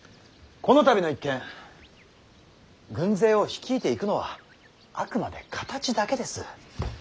この度の一件軍勢を率いていくのはあくまで形だけです。